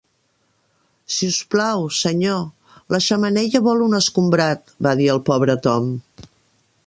"Si us plau, senyor, la xemeneia vol un escombrat", va dir el pobre Tom.